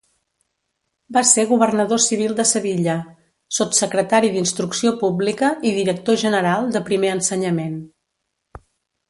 Va ser Governador Civil de Sevilla, Sotssecretari d'Instrucció Pública i Director General de Primer Ensenyament.